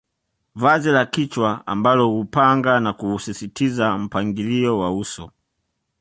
Vazi la kichwa ambalo huupanga na kuusisitiza mpangilio wa uso